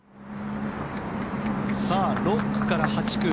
６区から８区